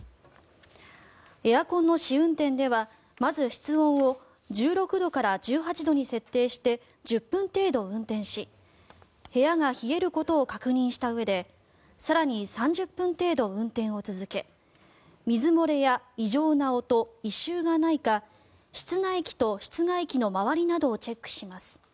エアコンの試運転ではまず、室温を１６度から１８度に設定して１０分程度運転し部屋が冷えることを確認したうえで更に３０分程度運転を続け水漏れや異常な音、異臭がないか室内機と室外機の周りなどをチェックします。